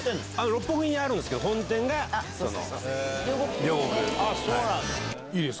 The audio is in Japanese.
六本木にあるんすけど本店が両国。